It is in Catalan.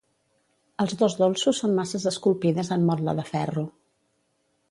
Els dos dolços són masses esculpides en motle de ferro.